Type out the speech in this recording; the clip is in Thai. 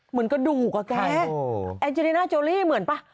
เหมือนกระดูกว่าแกแอลเจรน่าโจรี่เหมือนป่ะ